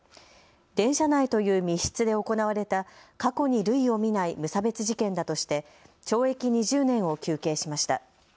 電車内という密室で行われた過去に類を見ない無差別事件だとして懲役２０年を求刑しました。